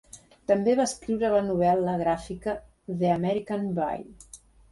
També va escriure la novel·la gràfica The American Way.